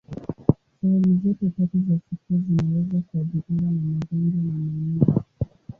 Sehemu zote tatu za sikio zinaweza kuathiriwa na magonjwa na maumivu.